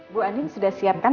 bu andin sudah siapkan